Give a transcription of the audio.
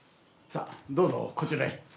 さあどうぞこちらへ。